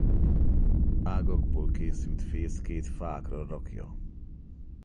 Ágakból készült fészkét fákra rakja.